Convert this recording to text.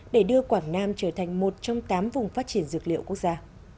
để đưa quảng nam trở thành một trong tám vùng phát triển dược liệu quốc gia